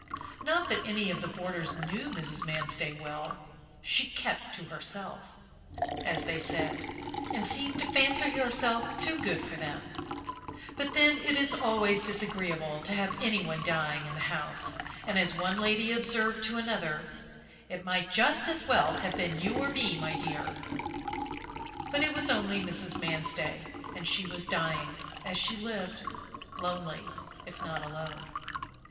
Not that any of the boarders knew Mrs. Manstey well; she "kept to herself," as they said, and seemed to fancy herself too good for them; but then it is always disagreeable to have anyone dying in the house and, as one lady observed to another: "It might just as well have been you or me, my dear." But it was only Mrs. Manstey; and she was dying, as she had lived, lonely if not alone.